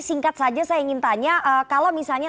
singkat saja saya ingin tanya kalau misalnya